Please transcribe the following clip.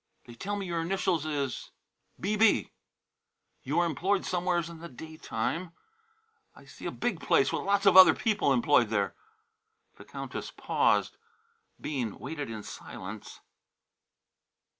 They tell me your initials is 'B.B.' You are employed somewheres in the daytime. I see a big place with lots of other people employed there " The Countess paused. Bean waited in silence.